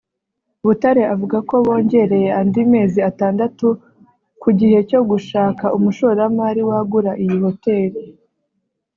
Butare avuga ko bongereye andi mezi atandatu ku gihe cyo gushaka umushoramari wagura iyi hotel